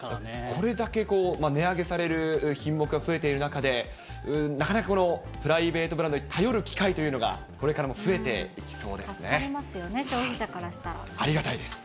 これだけ値上げされる品目が増えている中で、なかなかこの、プライベートブランドに頼る機会というのがこれからも増えていき助かりますよね、消費者からありがたいです。